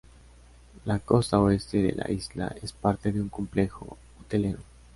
La costa oeste de la isla es parte de un complejo hotelero.